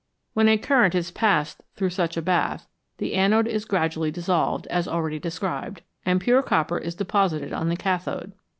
When a current is passed through such a bath, the anode is gradually dissolved, as already described, and pure copper is de posited on the cathode.